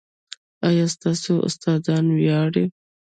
ایا ستاسو استادان ویاړي؟